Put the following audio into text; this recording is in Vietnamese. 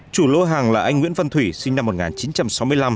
chủ lô hàng là anh nguyễn văn thủy sinh năm một nghìn chín trăm sáu mươi năm